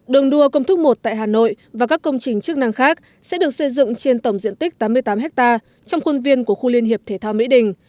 đường đua công thức một tại hà nội và các công trình chức năng khác sẽ được xây dựng trên tổng diện tích tám mươi tám ha trong khuôn viên của khu liên hiệp thể thao mỹ đình